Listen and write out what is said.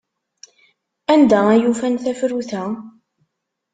Anda ay ufan tafrut-a?